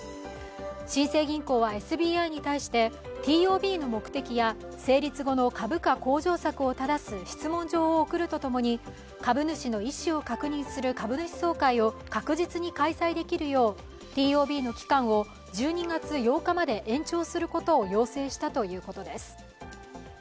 新生銀行はＳＢＩに対してＴＯＢの目的や成立後の株価向上策をただす質問状を送るとともに株主の意思を確認する株主総会を確実に開催できるようＴＯＢの期間を１２月８日まで延長することを要請したということです。